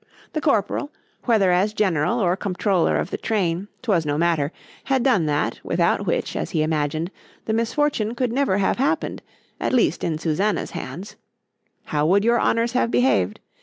——The corporal, whether as general or comptroller of the train,—'twas no matter,——had done that, without which, as he imagined, the misfortune could never have happened,—at least in Susannah_'s hands;_——How would your honours have behaved?